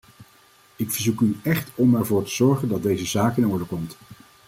Ik verzoek u echt om ervoor te zorgen dat deze zaak in orde komt!